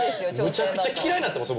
むちゃくちゃ嫌いになってます